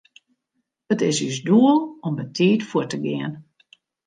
It is ús doel om betiid fuort te gean.